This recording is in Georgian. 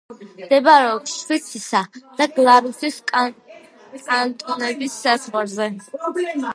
მდებარეობს შვიცისა და გლარუსის კანტონების საზღვარზე.